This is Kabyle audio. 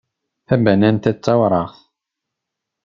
Tabanant-a d tawraɣt.